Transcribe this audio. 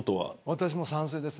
私も賛成です。